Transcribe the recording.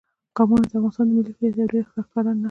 قومونه د افغانستان د ملي هویت یوه ډېره ښکاره نښه ده.